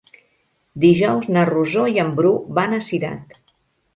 Dijous na Rosó i en Bru van a Cirat.